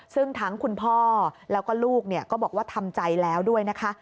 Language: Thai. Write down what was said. ซึ่งทั้งคุณพ่อแล้วก็ลูกก็บอกว่าทำใจแล้วด้วยนะคะ